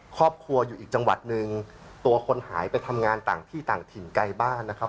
ครอบครัวอยู่อีกจังหวัดหนึ่งตัวคนหายไปทำงานต่างที่ต่างถิ่นไกลบ้านนะครับ